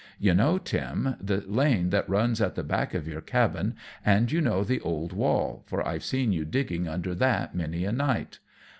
You know, Tim, the lane that runs at the back of your cabin, and you know the old wall, for I've seen you digging under that many a night.